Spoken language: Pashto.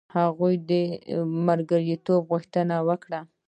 هغوی د ملګرتوب غوښتنه وکړه.